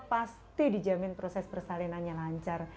pasti dijamin proses persalinannya lancar